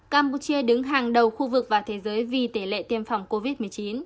campuchia đứng hàng đầu khu vực và thế giới vì tỷ lệ tiêm phòng covid một mươi chín